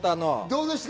どうでした？